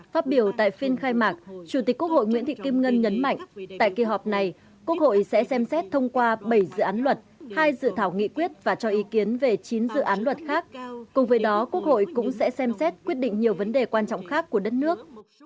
phát biểu tại phiên khai mạc chủ tịch quốc hội nguyễn thị kim ngân nhấn mạnh tại kỳ họp này quốc hội sẽ xem xét thông qua bảy dự án luật hai dự thảo nghị quyết và cho ý kiến về chín dự án luật khác cùng với đó quốc hội cũng sẽ xem xét quyết định nhiều vấn đề quan trọng khác của đất nước